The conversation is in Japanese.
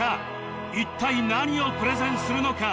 一体何をプレゼンするのか？